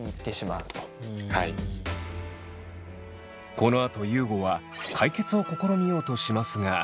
このあと優吾は解決を試みようとしますが。